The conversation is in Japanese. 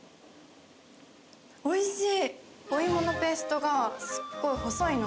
おいしい！